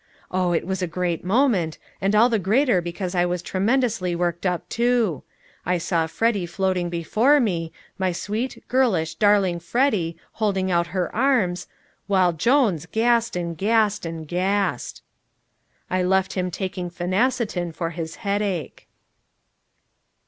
Oh, it was a great moment, and all the greater because I was tremendously worked up, too. I saw Freddy floating before me, my sweet, girlish, darling Freddy, holding out her arms ... while Jones gassed and gassed and gassed.... I left him taking phenacetin for his headache.